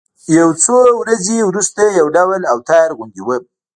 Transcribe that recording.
يو څو ورځې وروسته يو ډول اوتر غوندې وم.